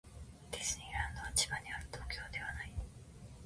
ディズニーランドは千葉にある。東京ではない。